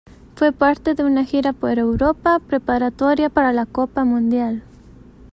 Fue parte de una gira por Europa preparatoria para la Copa Mundial.